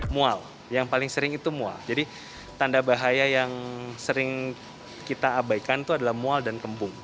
mual yang paling sering itu mual jadi tanda bahaya yang sering kita abaikan itu adalah mual dan kembung